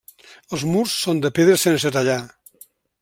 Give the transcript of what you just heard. Els murs són de pedra sense tallar.